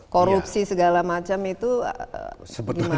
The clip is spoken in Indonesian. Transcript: korupsi segala macam itu gimana pak sultan